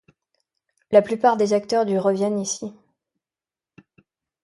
La plupart des acteurs du reviennent ici.